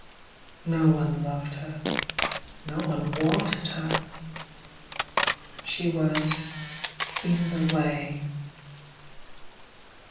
No one loved her, — no one wanted her! She was "in the way."